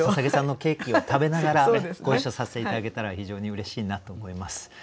捧さんのケーキを食べながらご一緒させて頂けたら非常にうれしいなと思います。